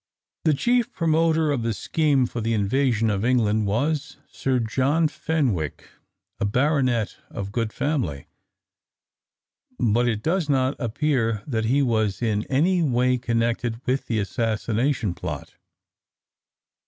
The chief promoter of the scheme for the invasion of England was Sir John Fenwick, a baronet of good family, but it does not appear that he was in any way connected with the assassination plot.